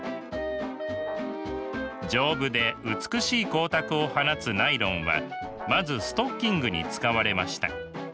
丈夫で美しい光沢を放つナイロンはまずストッキングに使われました。